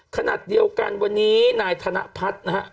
ขณะเดียวกันวันนี้นายธนพัฒน์นะฮะ